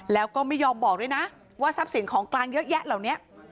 แล้วก็ไม่ยอมบอกด้วยนะว่าทรัพย์สินของกลางเยอะแยะเหล่านี้